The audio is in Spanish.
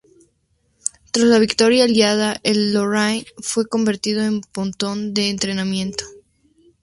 Tras la victoria aliada, el "Lorraine" fue convertido en pontón de entrenamiento.